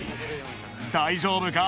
［大丈夫か？